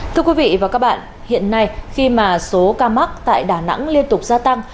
thưa quý vị và các bạn hiện nay khi mà số ca mắc tại đà nẵng liên tục gia tăng